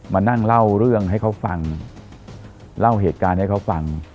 มานั่งเล่าเรื่องให้เขาฟังเล่าเหตุการณ์ให้เขาฟัง